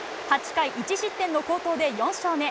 ８回１失点の好投で４勝目。